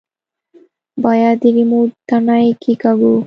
بايد د ريموټ تڼۍ کښېکاږو.